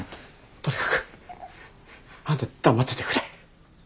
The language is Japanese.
とにかくあんた黙っててくれ。